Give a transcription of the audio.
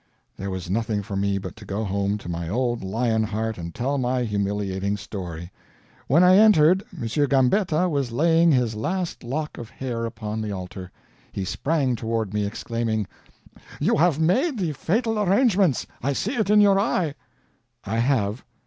There was nothing for me but to go home to my old lion heart and tell my humiliating story. When I entered, M. Gambetta was laying his last lock of hair upon the altar. He sprang toward me, exclaiming: "You have made the fatal arrangements I see it in your eye!" "I have."